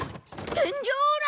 天井裏！？